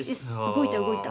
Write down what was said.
動いた動いた。